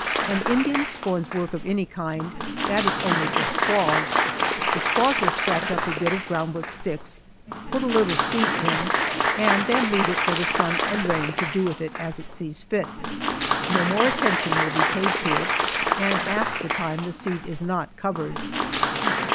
An Indian scorns work of any kind that is only for squaws. The squaws will scratch up a bit of ground with sticks, put a little seed in, and then leave it for the sun and rain to do with as it sees fit. No more attention will be paid to it, and half the time the seed is not covered.